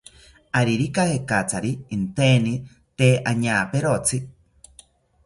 Aririka jekatzari inteini tee añaperotzi